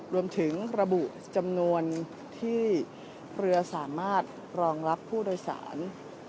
รวมถึงระบุจำนวนที่เรือสามารถรองรับผู้โดยสาร